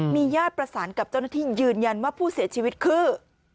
มีญาติประสานกับเจ้าหน้าที่ยืนยันว่าผู้เสียชีวิตคือ